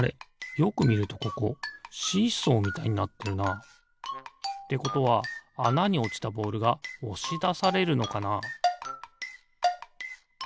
よくみるとここシーソーみたいになってるな。ってことはあなにおちたボールがおしだされるのかな？